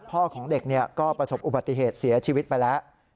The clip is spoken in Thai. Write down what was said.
ของเด็กก็ประสบอุบัติเหตุเสียชีวิตไปแล้ว